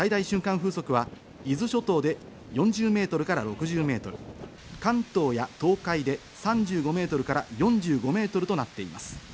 風速は、伊豆諸島で４０メートルから６０メートル、関東や東海で３５メートルから４５メートルとなっています。